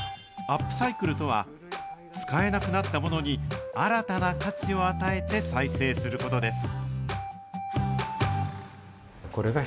アップサイクルとは、使えなくなったものに新たな価値を与えて再生することです。